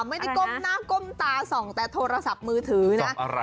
ไม่ได้ก้มหน้าก้มตาส่องแต่โทรศัพท์มือถือนะ